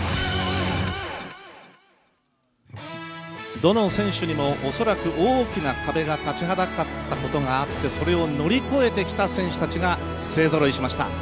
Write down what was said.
どの選手にもおそらく大きな壁が立ちはだかったことがあってそれを乗り越えてきた選手たちが勢ぞろいしました。